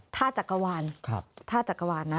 ธาตุจักรวาล